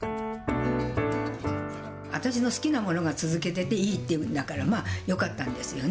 私の好きなものが、続けてていいっていうんだから、まあよかったんですよね。